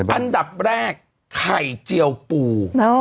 อันดับแรกไข่เจียวปู